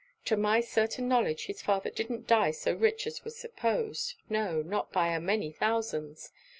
To my certain knowledge his father didn't die so rich as was supposed no not by a many thousands.